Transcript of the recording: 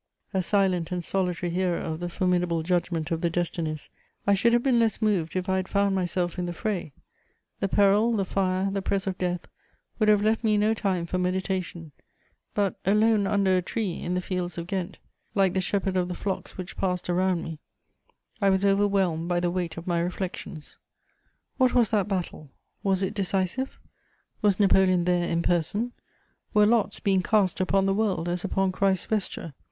A silent and solitary hearer of the formidable judgment of the destinies, I should have been less moved if I had found myself in the fray: the peril, the fire, the press of Death would have left me no time for meditation; but, alone under a tree, in the fields of Ghent, like the shepherd of the flocks which passed around me, I was overwhelmed by the weight of my reflexions: what was that battle? Was it decisive? Was Napoleon there in person? Were lots being cast upon the world, as upon Christ's vesture?